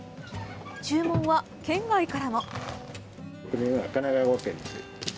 注文は県外からも。